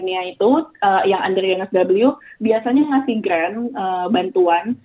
nah itu yang under nsw biasanya ngasih grant bantuan